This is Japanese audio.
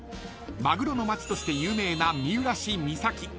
［マグロの町として有名な三浦市三崎］